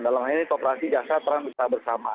dalam hal ini kooperasi jasa terang bisa bersama